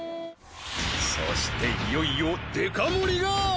そしていよいよデカ盛が！